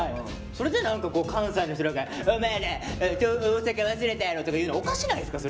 それで何か関西の人らが「お前ら大阪忘れたんやろ」とか言うのおかしないですか？